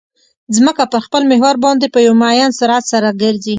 ځمکه په خپل محور باندې په یو معین سرعت سره ګرځي